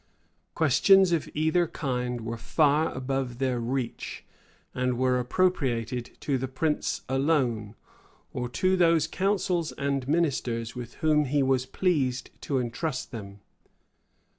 Questions of either kind were far above their reach, and were appropriated to the prince alone, or to those councils and ministers with whom he was pleased to intrust them.